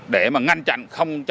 để mà ngăn chặn